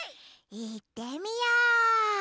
いってみよう！